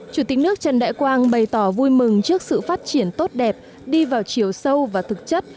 chủ tịch nước trần đại quang bày tỏ vui mừng trước sự phát triển tốt đẹp đi vào chiều sâu và thực chất